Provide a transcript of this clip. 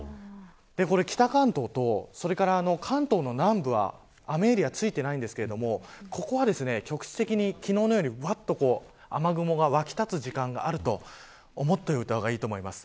北関東とそれから関東の南部は雨エリアついていないんですけどここは局地的に、昨日のようにばっと雨雲が湧き立つ時間があると思っておいた方がいいと思います。